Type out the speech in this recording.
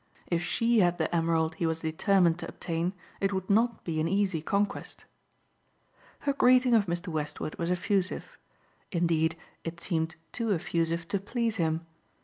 If she had the emerald he was determined to obtain, it would not be an easy conquest. Her greeting of Mr. Westward was effusive. Indeed it seemed too effusive to please him.